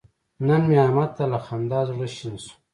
نن مې احمد ته له خندا زړه شین شو.